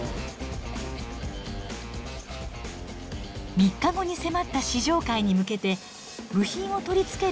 ３日後に迫った試乗会に向けて部品を取り付ける